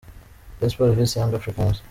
-: Rayon Sport vs Young Africans.